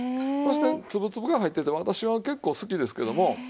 そして粒々が入ってて私は結構好きですけども。